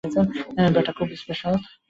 বেটা খুবই স্পেশাল।